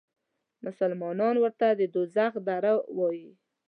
مسلمانان ورته د دوزخ دره وایي.